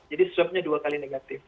jadi swabnya dua kali negatif